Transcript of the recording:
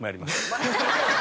ハハハハ！